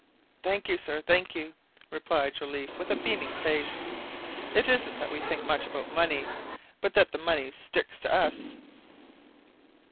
"Thank you, sir, thank you," replied Joliffe with a beaming face. "It isn't that we think much about money, but that the money sticks to us."